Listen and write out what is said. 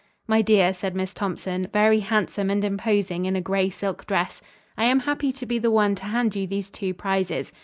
"My dear," said Miss Thompson, very handsome and imposing in a gray silk dress, "I am happy to be the one to hand you these two prizes.